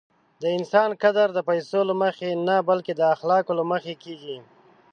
د انسان قدر د پیسو له مخې نه، بلکې د اخلاقو له مخې کېږي.